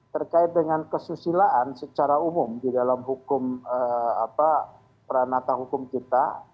terkait dengan kesusilaan secara umum di dalam hukum peranata hukum kita